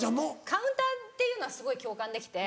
カウンターっていうのはすごい共感できて。